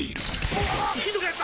うわひどくなった！